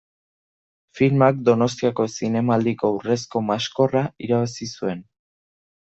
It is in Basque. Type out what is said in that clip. Filmak Donostiako Zinemaldiko Urrezko Maskorra irabazi zuen.